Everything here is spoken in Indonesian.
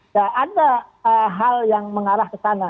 ya ada hal yang mengarah ke sana